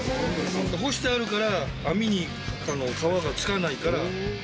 干してあるから、網に皮がつかないから。